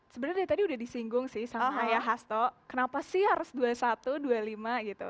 sebenarnya tadi sudah disinggung sih sama haya hasto kenapa sih harus dua ribu satu ratus dua puluh lima gitu